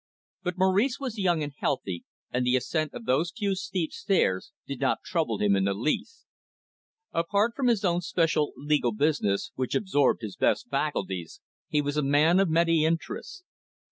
But Maurice was young and healthy, and the ascent of those few steep stairs did not trouble him in the least. Apart from his own special legal business, which absorbed his best faculties, he was a man of many interests.